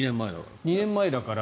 ２年前だから。